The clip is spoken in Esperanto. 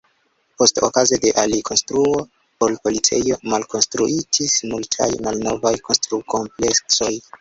Poste okaze de alikonstruo por policejo malkonstruitis multaj malnovaj kontrukompleksoj.